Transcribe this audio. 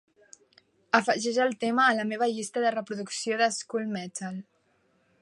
Afegeix el tema a la meva llista de reproducció de "school metal"